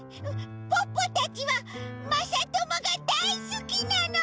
ポッポたちはまさともがだいすきなの！